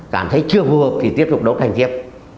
cảm thấy chưa phù hợp thì tiếp tục đấu tranh tiếp